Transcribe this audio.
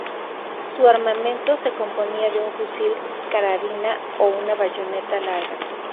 Su armamento se componía de un fusil carabina o una bayoneta larga.